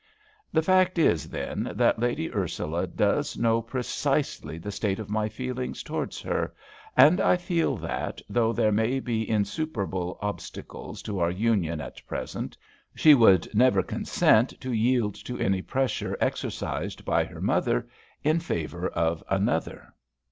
The fact is, then, that Lady Ursula does know precisely the state of my feelings towards her, and I feel that, though there may be insuperable obstacles to our union at present, she would never consent to yield to any pressure exercised by her mother in favour of another."